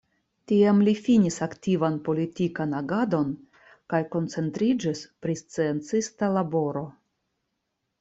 Tiam li finis aktivan politikan agadon kaj koncentriĝis pri sciencista laboro.